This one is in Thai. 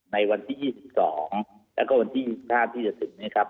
ในวันที่๒๒แล้วก็วันที่๑๕ที่จะถึงนี้ครับ